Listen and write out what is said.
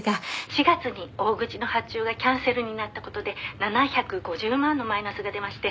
「４月に大口の発注がキャンセルになった事で７５０万のマイナスが出まして」